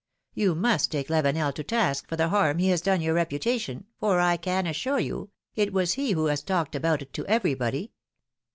You must take Lavenel to task for the harm he has done your reputation, for I can assure you, it was he who has talked about it to everybody.